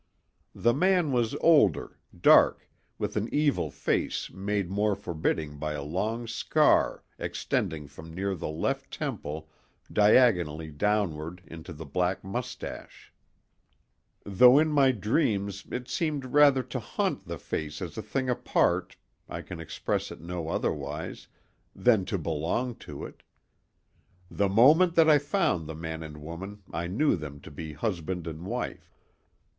The man was older, dark, with an evil face made more forbidding by a long scar extending from near the left temple diagonally downward into the black mustache; though in my dreams it seemed rather to haunt the face as a thing apart—I can express it no otherwise—than to belong to it. The moment that I found the man and woman I knew them to be husband and wife.